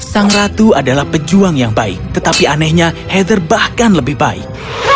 sang ratu adalah pejuang yang baik tetapi anehnya heather bahkan lebih baik